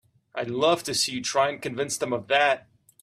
I'd love to see you try and convince them of that!